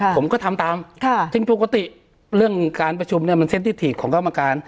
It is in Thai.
ผมก็ทำตามซึ่งปกติเรื่องการประชุมมันเซ็นติธิตของกรรมการ